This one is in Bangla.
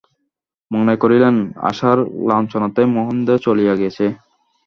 মনে করিলেন, আশার লাঞ্ছনাতেই মহেন্দ্র চলিয়া গেছে।